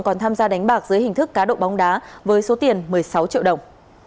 còn tham gia đánh bạc dưới hình thức cá độ bóng đá với số tiền một mươi sáu triệu đồng